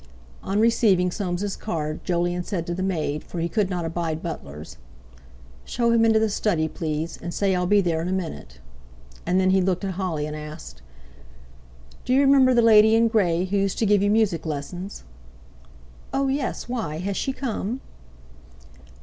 On receiving Soames' card, Jolyon said to the maid—for he could not abide butlers—"Show him into the study, please, and say I'll be there in a minute"; and then he looked at Holly and asked: "Do you remember 'the lady in grey,' who used to give you music lessons?" "Oh yes, why? Has she come?"